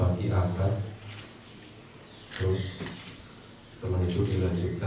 hampir sama kayak saya dua tahun yang lalu konsepnya tradisional jawa